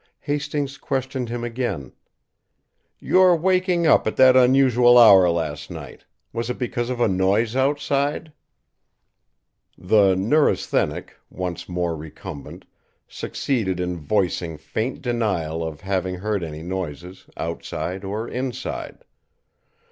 Hastings questioned him again: "Your waking up at that unusual hour last night was it because of a noise outside?" The neurasthenic, once more recumbent, succeeded in voicing faint denial of having heard any noises, outside or inside.